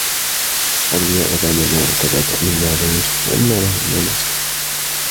قالوا يا أبانا ما لك لا تأمنا على يوسف وإنا له لناصحون